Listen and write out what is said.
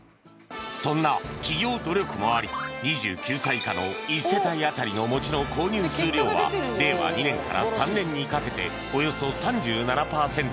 そんな企業努力もあり２９歳以下の１世帯当たりのもちの購入数量は令和２年から３年にかけておよそ３７パーセント向上